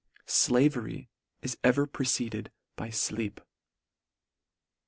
" Slavery is ever preceded by fleep."